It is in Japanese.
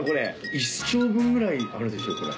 一生分ぐらいあるでしょこれ。